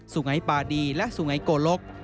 สุงัยปาดีและสุงัยโกลก